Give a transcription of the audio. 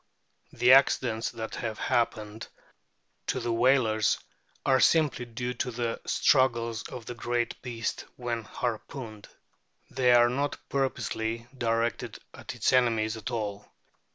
The accidents that have happened to the whalers are simply due to the struggles of the great beast when harpooned ; they are not purposely directed at its enemies at all.